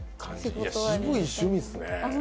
渋い趣味ですね。